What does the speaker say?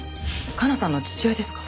香奈さんの父親ですか？